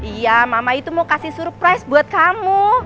iya mama itu mau kasih surprise buat kamu